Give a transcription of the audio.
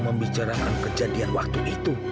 membicarakan kejadian waktu itu